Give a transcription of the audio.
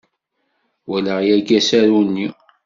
Walaɣ yagi asaru-nni.